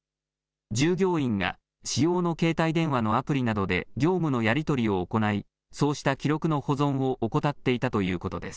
従業員が私用の携帯電話のアプリなどで業務のやり取りを行いそうした記録の保存を怠っていたということです。